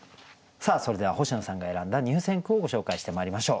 さあそれでは星野さんが選んだ入選句をご紹介してまいりましょう。